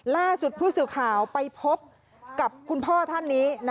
ล่าสุดผู้สื่อข่าวไปพบกับคุณพ่อท่านนี้